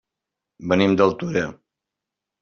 Venim d'Altura.